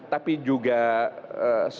tapi juga semua umat bangsa